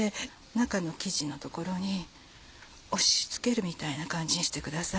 中の生地の所に押し付けるみたいな感じにしてください。